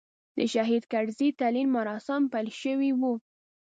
د شهید کرزي تلین مراسیم پیل شوي و.